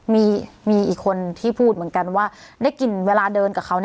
มีอีกคนที่พูดเหมือนกันว่าได้กลิ่นเวลาเดินกับเขา